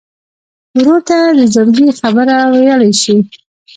ورور ته د زړګي خبره ویلی شې.